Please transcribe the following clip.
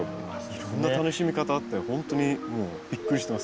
いろんな楽しみ方あってほんとにもうびっくりしてます。